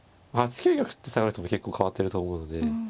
８九玉って下がる手も結構変わってると思うので。